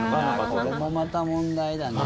これもまた問題だね。